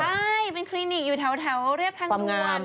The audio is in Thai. ใช่เป็นคลินิกอยู่แถวเรียบทางด่วน